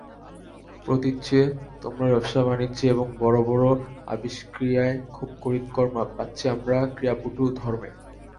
প্রতীচ্যে তোমরা ব্যবসা-বাণিজ্যে এবং বড় বড় আবিষ্ক্রিয়ায় খুব করিতকর্মা, প্রাচ্যে আমরা ক্রিয়াপটু ধর্মে।